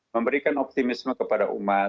memberikan optimisme kepada umat